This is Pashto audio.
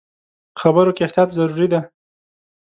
خبرو کې احتیاط ضروري دی.